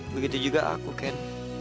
begitu juga aku ken